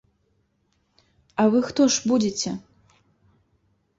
А вы хто ж будзеце?